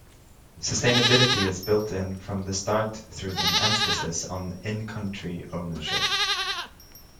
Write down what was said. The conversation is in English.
Sustainability is built in from the start through an emphasis on in-country "ownership".